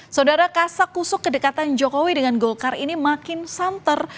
saudara kasak kusuk kedekatan jokowi dengan golkar ini makin santer